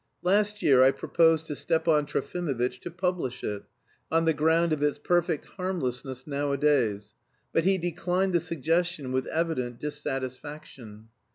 Last year I proposed to Stepan Trofimovitch to publish it, on the ground of its perfect harmlessness nowadays, but he declined the suggestion with evident dissatisfaction.